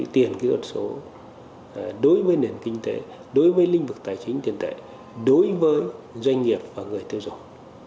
đối với tiền kỹ thuật số đối với nền kinh tế đối với lĩnh vực tài chính tiền tệ đối với doanh nghiệp và người tiêu dụng